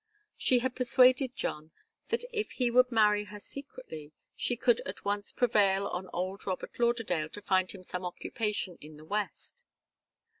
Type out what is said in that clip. She had persuaded John that if he would marry her secretly, she could at once prevail on old Robert Lauderdale to find him some occupation in the West.